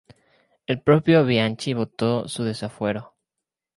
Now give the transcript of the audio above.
El propio Bianchi votó su desafuero.